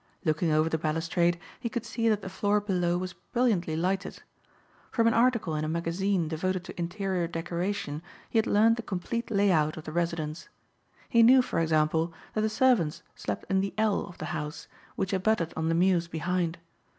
Looking over the balustrade, he could see that the floor below was brilliantly lighted. From an article in a magazine devoted to interior decoration he had learned the complete lay out of the residence. He knew, for example, that the servants slept in the "el" of the house which abutted on the mews behind.